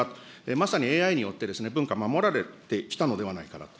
まさにＡＩによって、文化守られてきたのではないかなと。